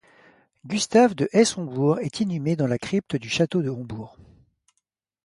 Gustave de Hesse-Homburg est inhumé dans la crypte du château de Hombourg.